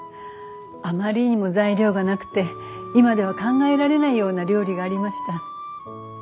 あまりにも材料がなくて今では考えられないような料理がありました。